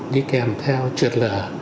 đi kèm theo trượt lở